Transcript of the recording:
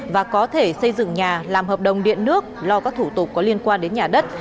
và có thể xây dựng nhà làm hợp đồng điện nước lo các thủ tục có liên quan đến nhà đất